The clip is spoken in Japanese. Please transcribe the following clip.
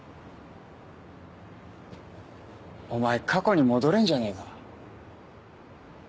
お前過去に戻れんじゃねえか？